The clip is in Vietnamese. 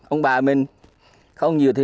ông bà mình không nhiều thì